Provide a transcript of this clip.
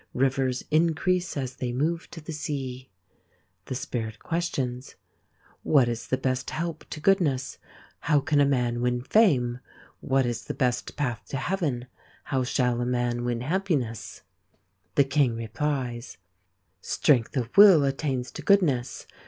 Rivers increase as they move to the sea. The Spirit questions : What is the best help to goodness ? How can a man win fame ? What is the best path to heaven ? How shall a man win happiness ? The King replies : Strength of will attains to goodness.